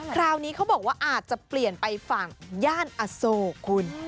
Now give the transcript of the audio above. คราวนี้เขาบอกว่าอาจจะเปลี่ยนไปฝั่งย่านอโศกคุณ